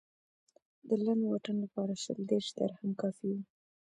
د لنډ واټن لپاره شل دېرش درهم کافي و.